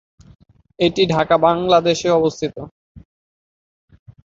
এটি ঢাকা, বাংলাদেশে অবস্থিত।